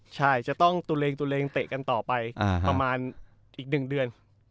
ใช่จะต้องตัวเองเตะกันต่อไปประมาณอีก๑เดือน